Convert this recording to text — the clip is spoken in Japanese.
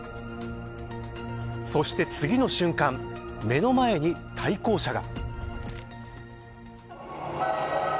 そして、次の瞬間目の前に対向車が。